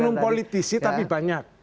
oknum politisi tapi banyak